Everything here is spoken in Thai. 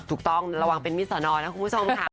ถูกต้องระวังเป็นมิสนนะคุณผู้ชม